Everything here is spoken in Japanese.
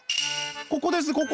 ここですここ！